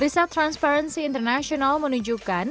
riset transparency international menunjukkan